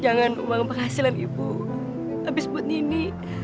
jangan uang penghasilan ibu habis buat nini